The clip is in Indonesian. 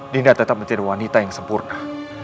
dinda tetap menjadi wanita yang sempurna